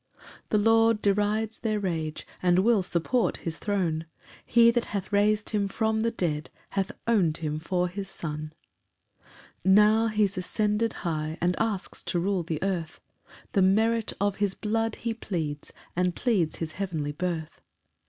5 The Lord derides their rage, And will support his throne; He that hath rais'd him from the dead Hath own'd him for his Son. PAUSE. 6 Now he's ascended high, And asks to rule the earth; The merit of his blood be pleads, And pleads his heavenly birth.